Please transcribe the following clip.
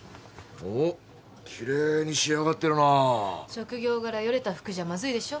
職業柄よれた服じゃまずいでしょ？